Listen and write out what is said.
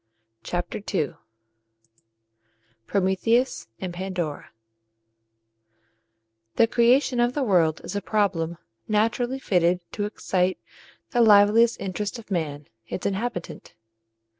CHAPTER II PROMETHEUS AND PANDORA The creation of the world is a problem naturally fitted to excite the liveliest interest of man, its inhabitant.